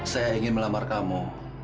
saya ingin melamar kamu